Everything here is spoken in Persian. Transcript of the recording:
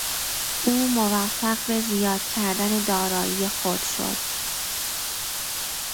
او موفق به زیاد کردن دارایی خود شد.